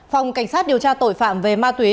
phòng cảnh sát điều tra tội phạm về ma túy